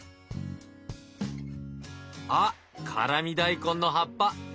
あっ辛味大根の葉っぱ。